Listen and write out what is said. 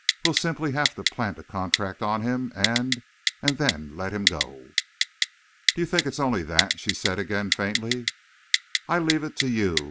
We'll simply have to plant a contract on him and then let him go!" "Do you think it's only that?" she said again, faintly. "I leave it to you.